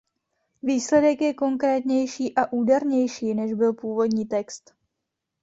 Výsledek je konkrétnější a údernější, než byl původní text.